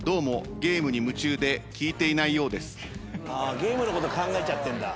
ゲームのこと考えちゃってんだ。